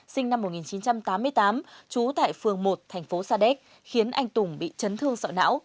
sinh năm một nghìn chín trăm tám mươi tám chú tại phường một thành phố sa đét khiến anh tùng bị chấn thương sợ não